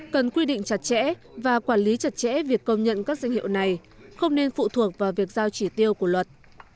cần quy định chặt chẽ và quản lý chặt chẽ việc công nhận các danh hiệu này không nên phụ thuộc vào việc giao chỉ tiêu của luật